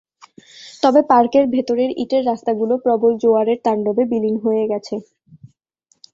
তবে পার্কের ভেতরের ইটের রাস্তাগুলো প্রবল জোয়ারের তাণ্ডবে বিলীন হয়ে গেছে।